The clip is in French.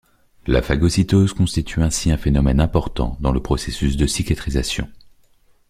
La phagocytose constitue ainsi un phénomène important dans le processus de cicatrisation.